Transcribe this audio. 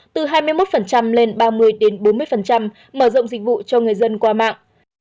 từ hai mươi một lên ba mươi bốn mươi mở rộng dịch vụ cho người dân qua mạng